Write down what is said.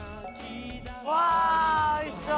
うわおいしそう！